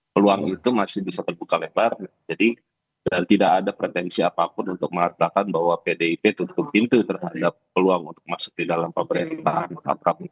peluang itu masih bisa terbuka lebar jadi tidak ada pretensi apapun untuk mengatakan bahwa pdip tutup pintu terhadap peluang untuk masuk di dalam pemerintahan